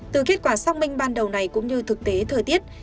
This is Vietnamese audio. từ kết quả xác minh ban đầu này cũng như thực tế thời tiết